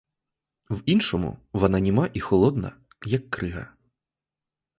В іншому — вона німа і холодна, як крига.